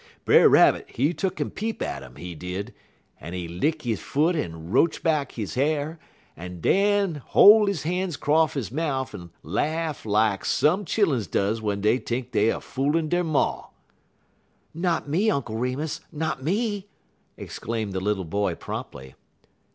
"Brer Rabbit, he tuck'n peep at um, he did, en he lick he foot en roach back he h'ar, en den hol' his han's 'cross he mouf en laff lak some chilluns does w'en dey t'ink dey er foolin' der ma." "Not me, Uncle Remus not me!" exclaimed the little boy promptly.